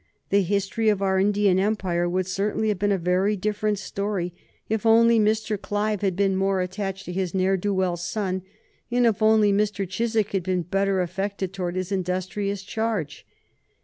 The history of our Indian Empire would certainly have been a very different story if only Mr. Clive had been more attached to his ne'er do well son, and if only Mr. Chiswick had been better affected towards his industrious charge.